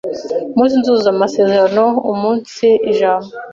Umunsizuza amasezerano umunsibaha ijambo